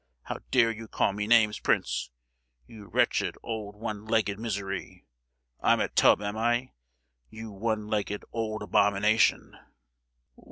How dare you call me names, prince—you wretched old one legged misery! I'm a tub am I, you one legged old abomination?"